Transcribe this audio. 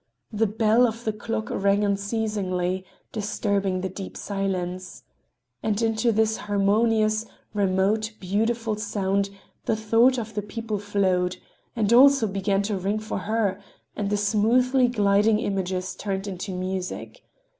The bell of the clock rang unceasingly, disturbing the deep silence. And into this harmonious, remote, beautiful sound the thoughts of the people flowed, and also began to ring for her; and the smoothly gliding images turned into music.